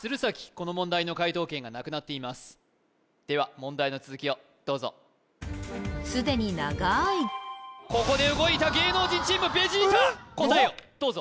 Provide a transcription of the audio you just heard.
この問題の解答権がなくなっていますでは問題の続きをどうぞすでに長いここで動いた芸能人チームベジータ！